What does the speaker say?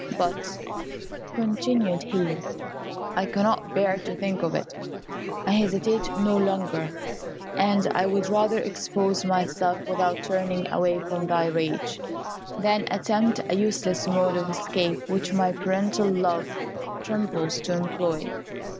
But," continued he, "I cannot bear to think of it. I hesitate no longer; and I would rather expose myself without turning away from thy rage, than attempt a useless mode of escape, which my paternal love trembles to employ.